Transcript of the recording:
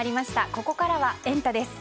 ここからはエンタ！です。